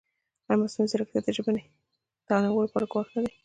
ایا مصنوعي ځیرکتیا د ژبني تنوع لپاره ګواښ نه دی؟